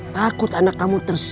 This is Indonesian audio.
takut anak kamu tersinggung